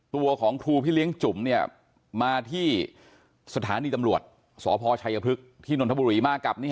ตัวของครูพี่เลี้ยงจุ๋มเนี่ยมาที่สถานีตำรวจสพชัยพฤกษ์ที่นนทบุรีมากับนี่